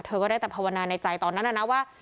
เธอก็ได้แต่พระวณาในใจตอนนั้นนะว่า